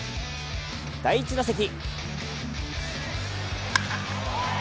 第１打席。